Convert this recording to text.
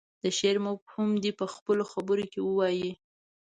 د شعر مفهوم دې په خپلو خبرو کې ووايي.